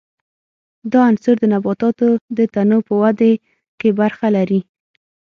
دا عنصر د نباتاتو د تنو په ودې کې برخه لري.